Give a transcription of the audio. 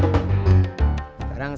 sekarang saya mau pergi